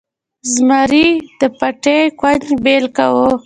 زمري د پټي کونج بیل کاوه.